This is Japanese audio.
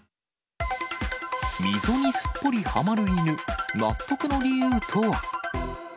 溝にすっぽりはまる犬、納得の理由とは。